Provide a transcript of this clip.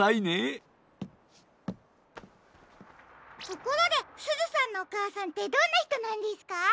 ところですずさんのおかあさんってどんなひとなんですか？